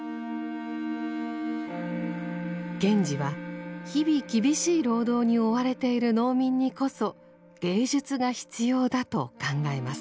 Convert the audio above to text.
賢治は日々厳しい労働に追われている農民にこそ芸術が必要だと考えます。